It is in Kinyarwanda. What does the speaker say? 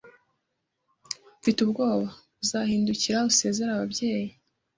Mfite ubwoba Uzahindukira usezere ababyeyi